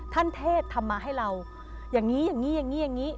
ท่านเทศธรรมะให้เราอย่างนี้อย่างนี้อย่างนี้